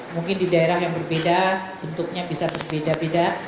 mungkin di daerah yang berbeda bentuknya bisa berbeda beda